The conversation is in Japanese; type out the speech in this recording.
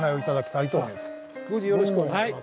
よろしくお願いします。